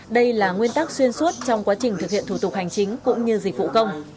đây là nguyên tắc xuyên suốt trong quá trình thực hiện thủ tục hành chính cũng như dịch vụ công